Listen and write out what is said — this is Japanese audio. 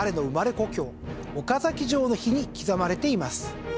故郷岡崎城の碑に刻まれています。